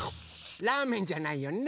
ラーメンじゃないよね！